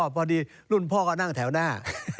พอดีรุ่นพ่อก็นั่งแถวหน้า